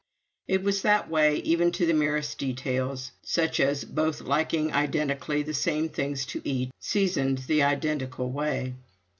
It was that way, even to the merest details, such as both liking identically the same things to eat, seasoned the identical way.